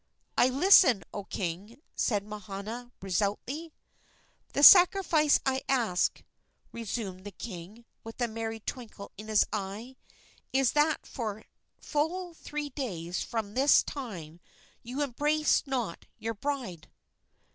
"I listen, O king!" said Mahana, resolutely. "The sacrifice I ask," resumed the king, with a merry twinkle in his eye, "is that for full three days from this time you embrace not your bride."